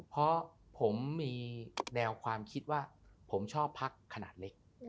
เพราะผมมีแนวความคิดว่าผมชอบพักขนาดเล็ก